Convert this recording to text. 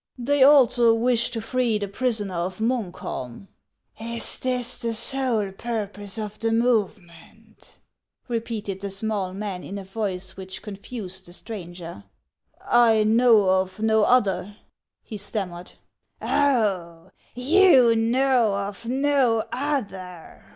" They also wish to free the prisoner of Munkholm." " Is this the sole purpose of the movement ?" repeated the small man in a voice which confused the .stranger. " I know of no other," he stammered. " Oh, you know of no other